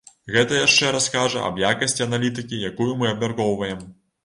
Гэта яшчэ раз кажа аб якасці аналітыкі, якую мы абмяркоўваем.